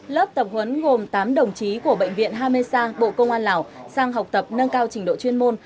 lớp tập huấn gồm tám đồng chí của bệnh viện hame sa bộ công an lào sang học tập nâng cao trình độ chuyên môn